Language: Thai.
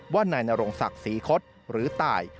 ว่านายนรงศักดิ์ศรีคศหรือตาย